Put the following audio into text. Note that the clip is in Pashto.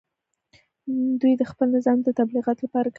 دوی د خپل نظام د تبلیغاتو لپاره کار کوي